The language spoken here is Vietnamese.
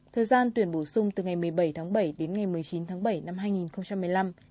thời gian tuyển bổ sung từ ngày một mươi bảy tháng bảy đến ngày một mươi chín tháng bảy năm hai nghìn một mươi năm